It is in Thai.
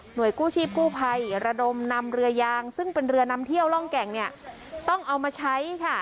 โดยกู้ชีพกู้ภัยระดมนำเรือยางซึ่งเป็นเรือนำเที่ยวร่องแก่งเนี่ยต้องเอามาใช้ค่ะ